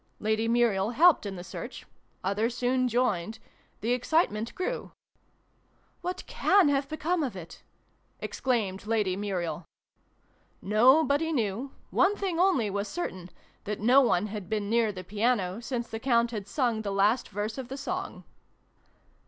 Lady Muriel helped in the search : others soon joined : the excite ment grew. " What can have become of it ?" exclaimed Lady Muriel. Nobody knew : one thing only was certain, that no one had been near the piano since the Count had sung the last verse of the song.